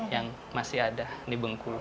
yang masih ada di bengkulu